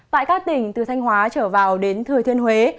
tại các tỉnh từ thanh hóa trở vào đến thừa thiên huế